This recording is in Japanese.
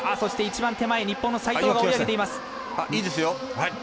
一番手前、日本の齋藤が追い上げています。